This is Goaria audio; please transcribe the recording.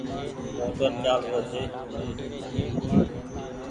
موٽر چآل رو ڇي۔